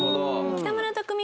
北村匠海